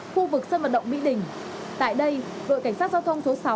khu vực sân vận động mỹ đình tại đây đội cảnh sát giao thông số sáu